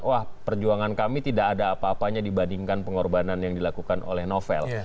wah perjuangan kami tidak ada apa apanya dibandingkan pengorbanan yang dilakukan oleh novel